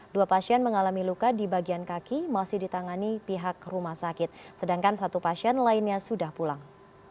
dua pasien mengalami luka di bagian kaki masih ditangani pihak rumah sakit sedangkan satu pasien lainnya sudah pulang